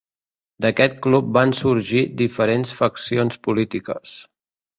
D'aquest club van sorgir diferents faccions polítiques.